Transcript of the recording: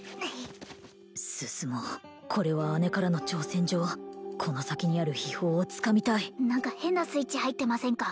進もうこれは姉からの挑戦状この先にある秘宝をつかみたい何か変なスイッチ入ってませんか？